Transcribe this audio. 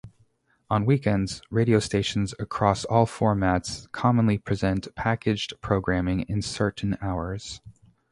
On weekends, radio stations across all formats commonly present "packaged" programming in certain hours.